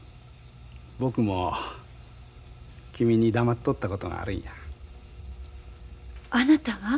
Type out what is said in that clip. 僕も君に黙っとったことがあるんや。あなたが？